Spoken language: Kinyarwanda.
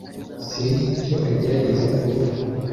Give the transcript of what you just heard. Sinzi icyo agerageza kuvuga.